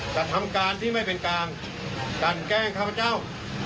กระทำการที่ไม่เป็นกลางกันแกล้งข้าพเจ้า